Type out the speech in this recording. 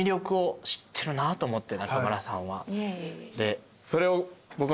中村さんは。